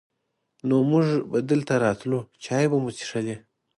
نو مونږ به دلته راتلو، چای به مو چښلې.